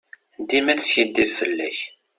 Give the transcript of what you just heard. Dima teskidib fell-ak.